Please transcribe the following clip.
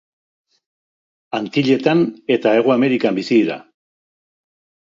Antilletan eta Hego Amerikan bizi dira.